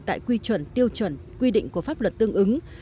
tại quy chuẩn tiêu chuẩn quy định của pháp luật tương ứng